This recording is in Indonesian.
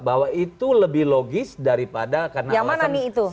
bahwa itu lebih logis daripada karena alasan sakit hati